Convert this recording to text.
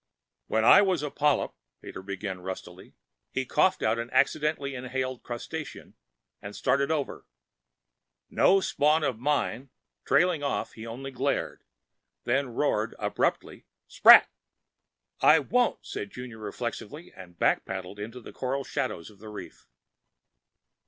"When I was a polyp ..." Pater began rustily. He coughed out an accidentally inhaled crustacean, and started over: "No spawn of mine...." Trailing off, he only glared, then roared abruptly, "SPRAT!" "I won't!" said Junior reflexively and backpaddled into the coral shadows of the reef.